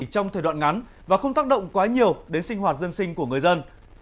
trong thời đoạn ngắn và không tác động quá nhiều đến sinh hoạt dân sinh của người dân